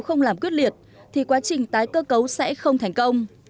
không làm quyết liệt thì quá trình tái cơ cấu sẽ không thành công